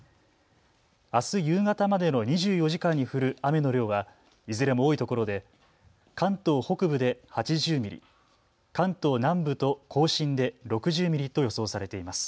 あす夕方までの２４時間に降る雨の量はいずれも多いところで関東北部で８０ミリ、関東南部と甲信で６０ミリと予想されています。